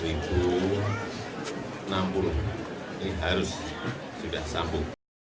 ini harus sudah sambung